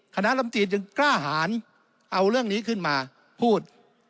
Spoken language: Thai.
คณะลำตีจึงกล้าหารเอาเรื่องนี้ขึ้นมาพูด